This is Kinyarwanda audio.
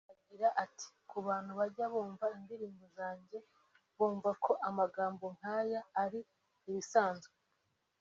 Agira ati “Ku bantu bajya bumva indirimbo zanjye bumva ko amagambo nk’aya ari ibisanzwe